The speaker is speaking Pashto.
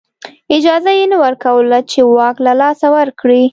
اجازه یې نه ورکوله چې واک له لاسه ورکړي.